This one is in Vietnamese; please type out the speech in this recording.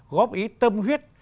góp ý tâm huyết